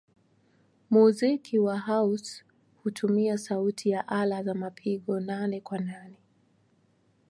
Muziki wa house hutumia sauti ya ala za mapigo nane-kwa-nane.